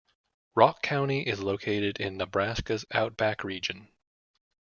Rock County is located in Nebraska's Outback region.